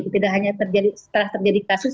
tidak hanya terjadi setelah terjadi kasus